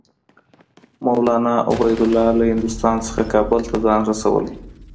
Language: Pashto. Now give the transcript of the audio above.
مولنا عبیدالله له هندوستان څخه کابل ته ځان رسولی.